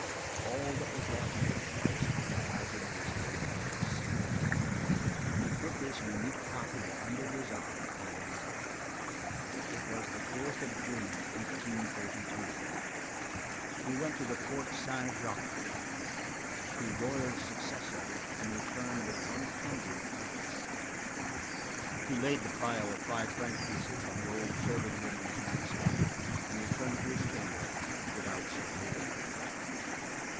All that was left to him was Diogenes Laertius. He put this unique copy under his arm, and went out. It was the 4th of June, 1832; he went to the Porte Saint Jacques, to Royal's successor, and returned with one hundred francs. He laid the pile of five franc pieces on the old serving woman's nightstand, and returned to his chamber without saying a word.